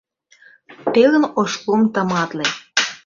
Телын ош лум тыматле.